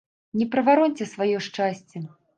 Не правароньце сваё шчасце!